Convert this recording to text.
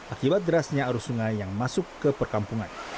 akibat derasnya arus sungai yang masuk ke perkampungan